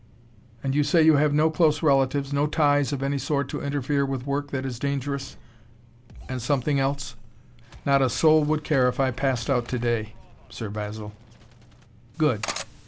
"And you say you have no close relatives, no ties of any sort to interfere with work that is dangerous and something else?" "Not a soul would care if I passed out to day, Sir Basil." "Good!